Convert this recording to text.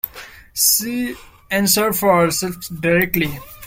She answered for herself directly.